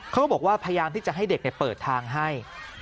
เขาก็บอกว่าพยายามที่จะให้เด็กเปิดทางให้